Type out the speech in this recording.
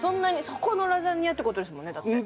そこのラザニアって事ですもんねだって。